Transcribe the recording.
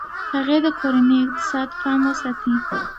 هغې د کورني اقتصاد پام ساتي.